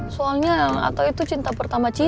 soalnya atau itu cinta pertama cinta